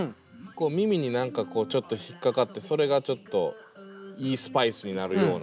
こう耳に何かちょっと引っ掛かってそれがちょっといいスパイスになるようなね。